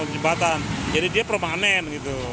jadi dia permanen